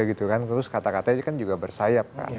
gitu kan terus kata kata kan juga bersayap